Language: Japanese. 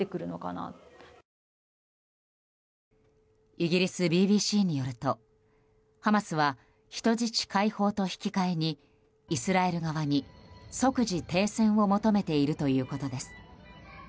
イギリスＢＢＣによるとハマスは人質解放と引き換えにイスラエル側に即時停戦を求めているということです。